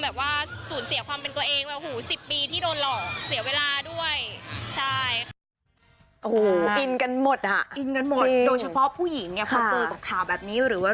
หายผู้หญิงเพราะเจอตักข่าวแบบนี้